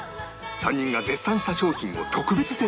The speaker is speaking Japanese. ３人が絶賛した商品を特別セットで！